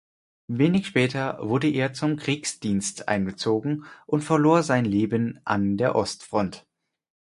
Wenig später wurde er zum Kriegsdienst eingezogen und verlor sein Leben an der Ostfront.